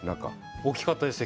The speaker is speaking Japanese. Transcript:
大きかったです。